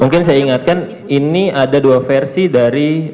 mungkin saya ingatkan ini ada dua versi dari